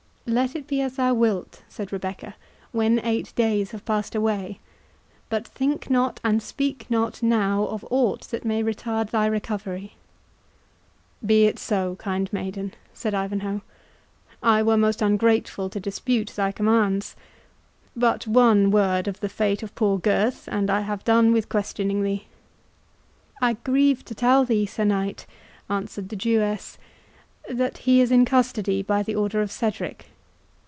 "Let it be as thou wilt," said Rebecca, "when eight days have passed away; but think not, and speak not now, of aught that may retard thy recovery." "Be it so, kind maiden," said Ivanhoe; "I were most ungrateful to dispute thy commands. But one word of the fate of poor Gurth, and I have done with questioning thee." "I grieve to tell thee, Sir Knight," answered the Jewess, "that he is in custody by the order of Cedric."